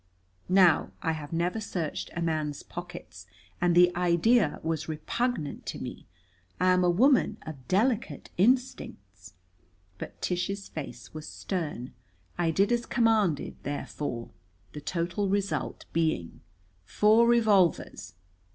Now I have never searched a man's pockets, and the idea was repugnant to me. I am a woman of delicate instincts. But Tish's face was stern. I did as commanded, therefore, the total result being: Four revolvers.